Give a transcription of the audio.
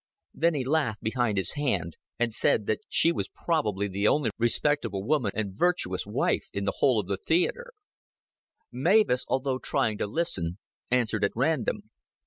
Then he laughed behind his hand, and said that she was probably the only respectable woman and virtuous wife in the whole of the theater. Mavis, although trying to listen, answered at random.